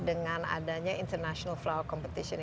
dengan adanya international flower competition